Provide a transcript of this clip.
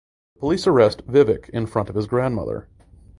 The police arrest Vivek in front of his grandmother.